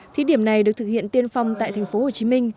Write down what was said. thí điểm này được thực hiện tiên phong tại tp hcm